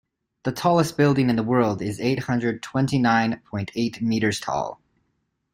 The tallest building in the world is eight hundred twenty nine point eight meters tall.